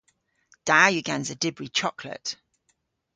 Da yw gansa dybri choklet.